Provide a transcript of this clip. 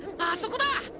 あそこだ！